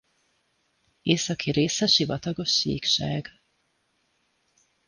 Északi része sivatagos síkság.